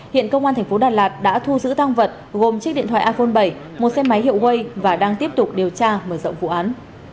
hiện công an thành phố đà lạt đã thu giữ tăng vật gồm chiếc điện thoại iphone bảy một xe máy hiệu quay và đang tiếp tục điều tra mở rộng vụ án